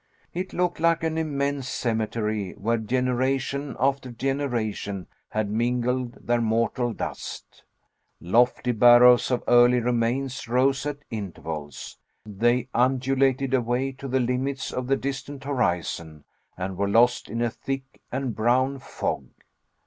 It looked like an immense cemetery, where generation after generation had mingled their mortal dust. Lofty barrows of early remains rose at intervals. They undulated away to the limits of the distant horizon and were lost in a thick and brown fog.